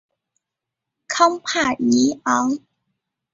康帕尼昂。